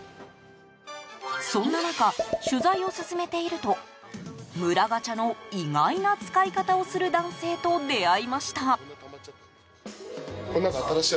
そんな中、取材を進めていると村ガチャの意外な使い方をする男性と出会いました。